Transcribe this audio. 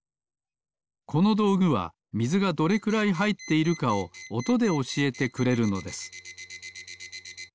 このどうぐはみずがどれくらいはいっているかをおとでおしえてくれるのです。